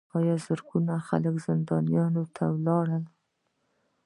زرګونه خلک زندانونو ته لاړل.